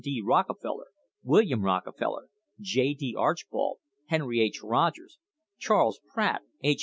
D. Rockefeller, William Rockefeller, J. D. Arch bold, Henry H. Rogers, Charles Pratt, H.